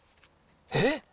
えっ！